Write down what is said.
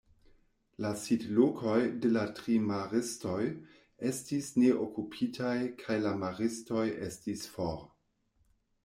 La sidlokoj de la tri maristoj estis neokupitaj kaj la maristoj estis for.